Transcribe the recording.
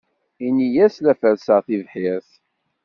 Ini-as la ferrseɣ tibḥirt.